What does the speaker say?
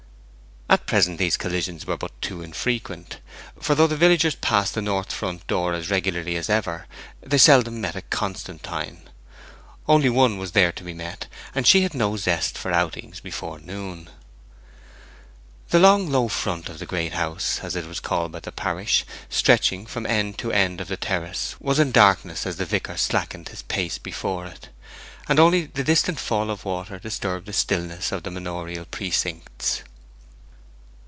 At present these collisions were but too infrequent, for though the villagers passed the north front door as regularly as ever, they seldom met a Constantine. Only one was there to be met, and she had no zest for outings before noon. The long, low front of the Great House, as it was called by the parish, stretching from end to end of the terrace, was in darkness as the vicar slackened his pace before it, and only the distant fall of water disturbed the stillness of the manorial precincts.